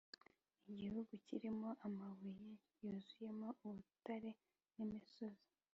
igihugu kirimo amabuye yuzuyemo ubutare n imisozi